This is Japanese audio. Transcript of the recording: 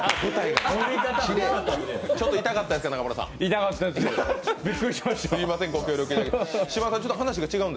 ちょっと痛かったですか中村さん。